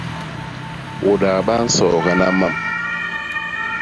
Bôdaa ba nsoogana mam.